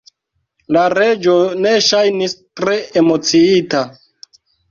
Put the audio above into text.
La Reĝo ne ŝajnis tre emociita.